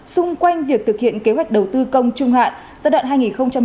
xung quanh việc thực hiện kế hoạch đầu tư công trung hạn giai đoạn hai nghìn một mươi sáu hai nghìn hai mươi